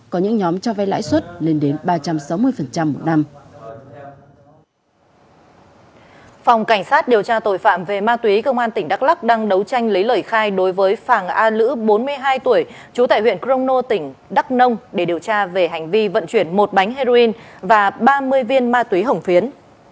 chú tại huyện crono tỉnh đắk nông để điều tra về hành vi vận chuyển một bánh heroin và ba mươi viên ma túy hổng phiến